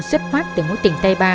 xuất phát từ mối tình tay ba